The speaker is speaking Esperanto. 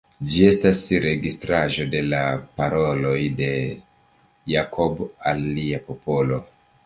Ĝi estas registraĵo de la paroloj de Jakob al lia popolo.